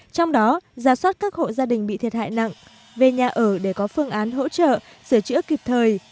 trong đó giả soát các hộ gia đình bị thiệt hại nặng về nhà ở để có phương án hỗ trợ sửa chữa kịp thời